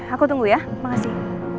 aku tunggu ya makasih